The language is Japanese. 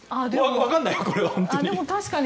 わからない、これは本当に。